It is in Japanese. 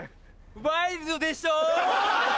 ワイルドでしょ？